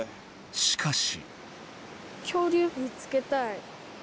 しかし。